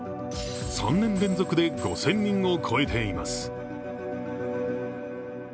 ３年連続で５０００人を超えています。